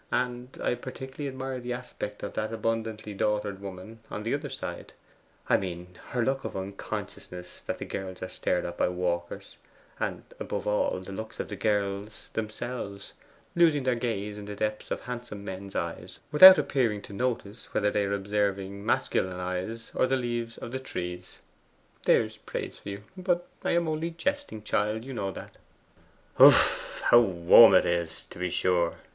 And I particularly admire the aspect of that abundantly daughtered woman on the other side I mean her look of unconsciousness that the girls are stared at by the walkers, and above all the look of the girls themselves losing their gaze in the depths of handsome men's eyes without appearing to notice whether they are observing masculine eyes or the leaves of the trees. There's praise for you. But I am only jesting, child you know that.' 'Piph ph ph how warm it is, to be sure!